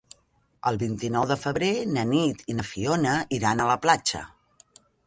El vint-i-nou de febrer na Nit i na Fiona iran a la platja.